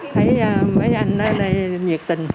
thấy mấy anh ở đây nhiệt tình